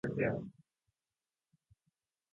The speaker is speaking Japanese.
ちょっと前に、彼女も、彼女のものも、家から消えていった